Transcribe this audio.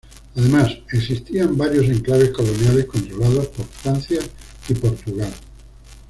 Además, existían varios enclaves coloniales controlados por Francia y Portugal.